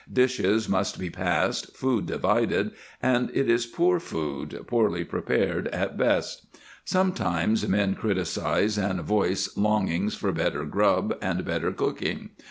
Dishes must be passed, food divided, and it is poor food, poorly prepared at best. Sometimes men criticize and voice longings for better grub and better cooking.